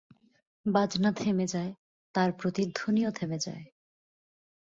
বাজনা থেমে যায়, তার প্রতিধ্বনিও থেমে যায়।